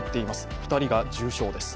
２人が重傷です。